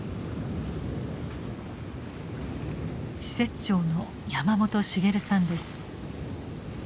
施設長の山本茂さんです。